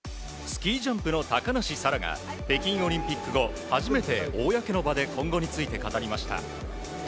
スキージャンプの高梨沙羅が北京オリンピック後初めて公の場で今後について語りました。